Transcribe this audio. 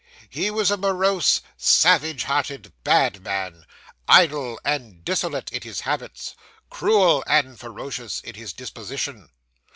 He was a morose, savage hearted, bad man; idle and dissolute in his habits; cruel and ferocious in his disposition.